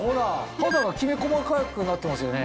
肌がきめ細かくなってますよね。